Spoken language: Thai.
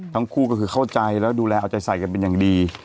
ทั้งคู่ก็คือเข้าใจแล้วดูแลเอาใจใส่กันเป็นอย่างดี